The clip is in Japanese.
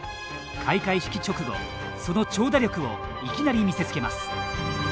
開会式直後、その長打力をいきなり見せつけます。